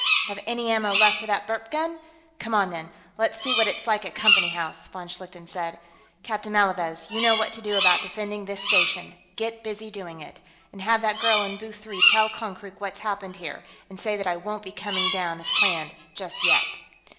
"Have any ammo left for that burp gun? Come on, then; let's see what it's like at Company House," von Schlichten said. "Captain Malavez, you know what to do about defending this station. Get busy doing it. And have that girl in booth three tell Konkrook what's happened here, and say that I won't be coming down, as planned, just yet."